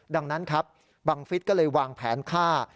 ดังนั้นครับบังฟิศก็เลยวางแผนฆ่า